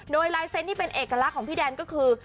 โดยลายเซ็นต์ที่เป็นเอกลักษณ์ของพี่แดนก็คือ